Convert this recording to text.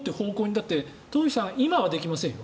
だって、東輝さん今はできませんよ。